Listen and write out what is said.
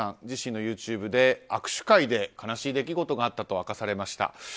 自身のＹｏｕＴｕｂｅで握手会で悲しい出来事があったと明かされました。